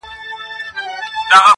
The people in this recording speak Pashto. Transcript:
نن شپه بيا زه پيغور ته ناسته يمه,